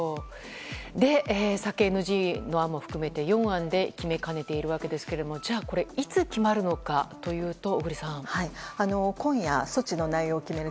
酒ＮＧの案も含めて４案で決めかねているわけですがじゃあ、これはいつ決まるのかというと今夜、措置の内容を決める